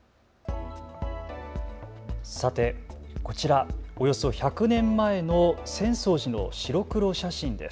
さてこちら、およそ１００年前の浅草寺の白黒写真です。